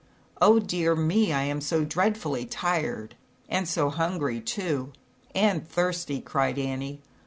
"Oh, dear me, I am so dreadfully . A u A .u " tired, and so hungry too, and thirsty, cried Annie.